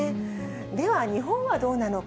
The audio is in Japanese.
では、日本はどうなのか。